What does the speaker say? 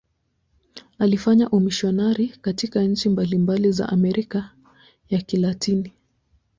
Alifanya umisionari katika nchi mbalimbali za Amerika ya Kilatini.